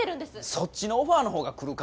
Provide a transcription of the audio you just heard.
そっちのオファーのほうが来るか！